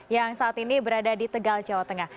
yang saat ini berada di tegal jawa tengah